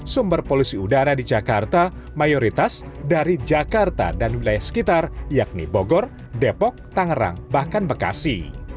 sumber polusi udara di jakarta mayoritas dari jakarta dan wilayah sekitar yakni bogor depok tangerang bahkan bekasi